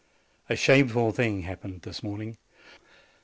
A shameful thing happened this morning.